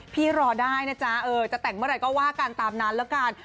รอได้นะจ๊ะจะแต่งเมื่อไหร่ก็ว่ากันตามนั้นแล้วกัน